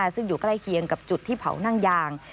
ซึ่งอยู่ใกล้เคียงกับจุดที่เผานั่งยาง